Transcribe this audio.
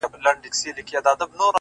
• د ښار خلکو وو سل ځله آزمېیلی ,